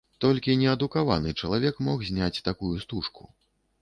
Толькі неадукаваны чалавек мог зняць такую стужку.